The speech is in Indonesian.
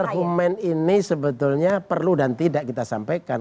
argumen ini sebetulnya perlu dan tidak kita sampaikan